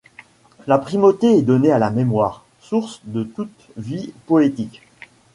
La primauté est donnée à la mémoire, source de toute vie poétique.